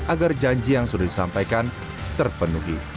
agar janji yang sudah disampaikan terpenuhi